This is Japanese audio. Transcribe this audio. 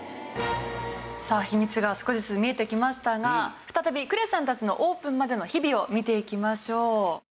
さあ秘密が少しずつ見えてきましたが再び呉さんたちのオープンまでの日々を見ていきましょう。